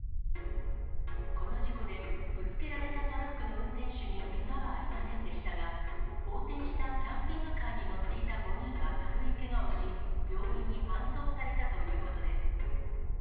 この事故で、ぶつけられたトラックの運転手に、けがはありませんでしたが、横転したキャンピングカーに乗っていた５人が軽いけがをし、病院に搬送されたということです。